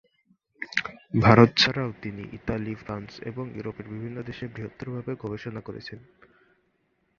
ভারত ছাড়াও তিনি Italy France এবং ইউরোপের বিভিন্ন দেশে বৃহত্তর ভাবে গবেষণা করেছেন।